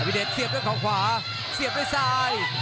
เดชเสียบด้วยเขาขวาเสียบด้วยซ้าย